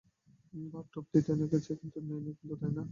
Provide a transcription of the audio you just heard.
বাহ, টোপ নিতে দেখছি বেশি সময় নেয়নি, তাই না?